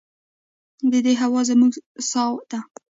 د دې هوا زموږ ساه ده؟